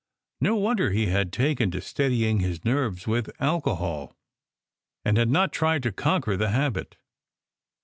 No wonder he had taken to steadying his nerves with alcohol, and had not tried to conquer the habit!